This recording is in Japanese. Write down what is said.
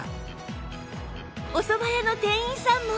お蕎麦屋の店員さんも